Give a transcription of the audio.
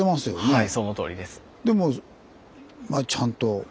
はい。